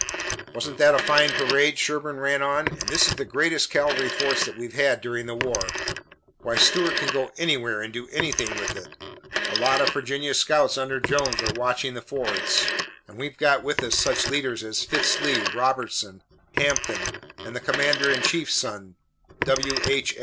"Wasn't that a fine parade?" Sherburne ran on. "And this is the greatest cavalry force that we've had during the war. Why, Stuart can go anywhere and do anything with it. A lot of Virginia scouts under Jones are watching the fords, and we've got with us such leaders as Fitz Lee, Robertson, Hampton and the commander in chief's son, W. H.